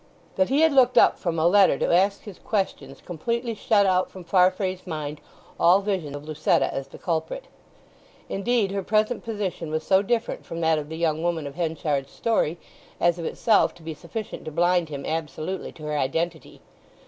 That he had looked up from a letter to ask his questions completely shut out from Farfrae's mind all vision of Lucetta as the culprit. Indeed, her present position was so different from that of the young woman of Henchard's story as of itself to be sufficient to blind him absolutely to her identity.